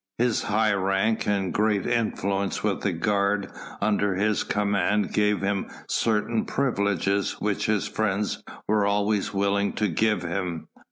His high rank and great influence with the guard under his command gave him certain privileges which his friends were always willing to give him.